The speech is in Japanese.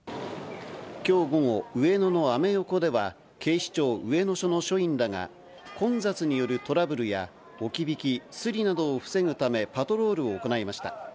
きょう午後、上野のアメ横では、警視庁上野署の署員らが、混雑によるトラブルや、置き引き、スリなどを防ぐためパトロールを行いました。